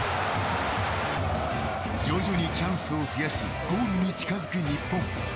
徐々にチャンスを増やしゴールに近づく日本。